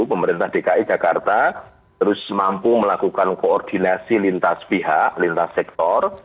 pemerintah dki jakarta terus mampu melakukan koordinasi lintas pihak lintas sektor